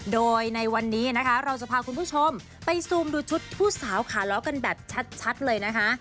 โดยในวันนี้นะคะเราจะพาคุณผู้ชมไปซูมดูชุดผู้สาวขาล้อกันแบบชัดเลยนะคะ